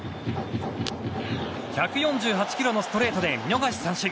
１４８キロのストレートで見逃し三振。